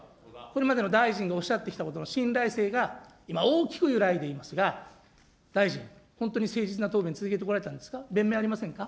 これまでの大臣のおっしゃってきたことの信頼性が今、大きく揺らいでいますが、大臣、本当に誠実な答弁、続けてこられたんですか。